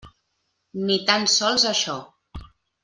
Ni tan sols això.